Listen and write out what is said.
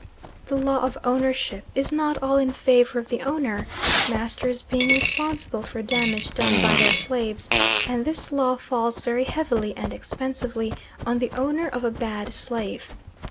The law of ownership is not all in favour of the owner, masters being responsible for damage done by their slaves, and this law falls very heavily and expensively on the owner of a bad slave.